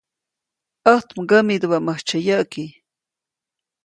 ʼÄjt mkämidubäʼmäjtsyä yäʼki.